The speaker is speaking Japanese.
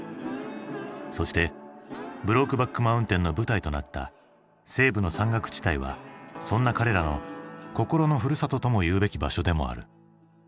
そして「ブロークバック・マウンテン」の舞台となった西部の山岳地帯はそんな彼らの心のふるさととも言うべき場所でもある。